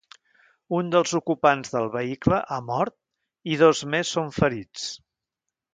Un dels ocupants del vehicle ha mort i dos més són ferits.